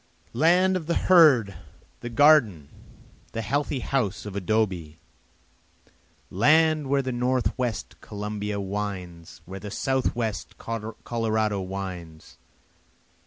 Land of the herd, the garden, the healthy house of adobie! Lands where the north west Columbia winds, and where the south west Colorado winds!